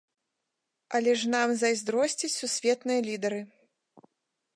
Але ж нам зайздросцяць сусветныя лідары.